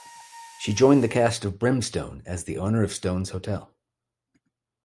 She joined the cast of "Brimstone" as the owner of Stone's hotel.